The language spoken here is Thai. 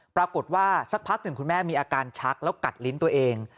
ปรากฏว่าสักพักหนึ่งคุณแม่มีอาการชักแล้วกัดลิ้นตัวเอง